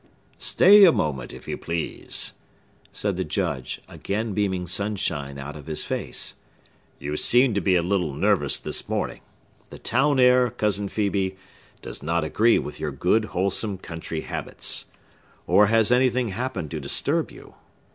"Stay a moment, if you please," said the Judge, again beaming sunshine out of his face. "You seem to be a little nervous this morning. The town air, Cousin Phœbe, does not agree with your good, wholesome country habits. Or has anything happened to disturb you?